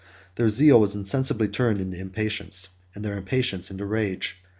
Their zeal was insensibly turned into impatience, and their impatience into rage.